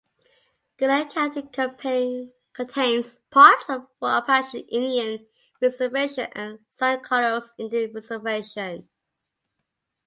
Gila County contains parts of Fort Apache Indian Reservation and San Carlos Indian Reservation.